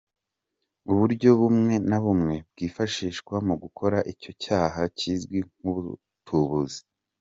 Uburyo bumwe na bumwe bwifashishwa mu gukora icyo cyaha kizwi nk’Ubutubuzi.